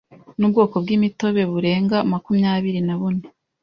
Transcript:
n’ubwoko bw’imitobe burenga makumyabiri nabune